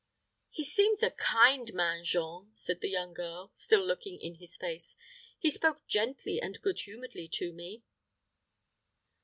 "He seems a kind man, Jean," said the young girl, still looking in his face. "He spoke gently and good humoredly to me."